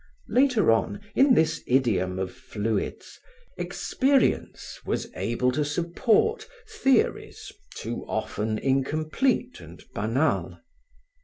Later on, in this idiom of fluids, experience was able to support theories too often incomplete and banal.